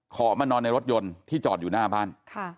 ขอมานอนในรถยนต์ที่จอดอยู่หน้าบ้าน